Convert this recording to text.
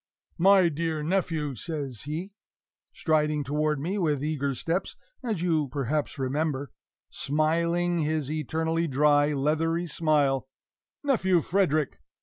"My dear nephew!" says he, striding toward me with eager steps, as you perhaps remember, smiling his eternally dry, leathery smile "Nephew Frederick!"